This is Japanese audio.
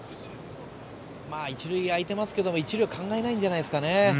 一塁が空いていますが考えないんじゃないですかね。